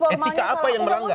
etika apa yang melanggar